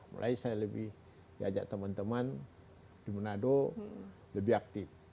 mulai saya lebih diajak teman teman di manado lebih aktif